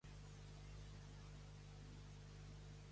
Què feia l'efecte que només aconseguia?